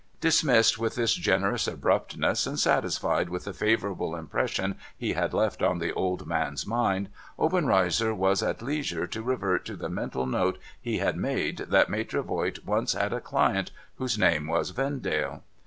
Dismissed with this generous ahruptness, and satisfied with the favourable impression he had left on the old man's mind, Obcnreizer was at leisure to revert to the mental note he had made that Maitre Voigt once had a client whose name was Vcndale.